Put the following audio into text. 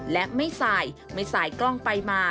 และไม่สายไม่สายกล้องไปมา